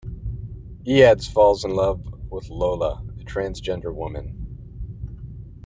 Eads falls in love with Lola, a transgender woman.